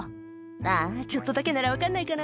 ああ、ちょっとだけなら分かんないかな？